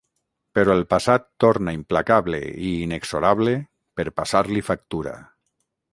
Però el passat torna implacable i inexorable per passar-li factura.